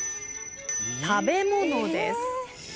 食べ物です。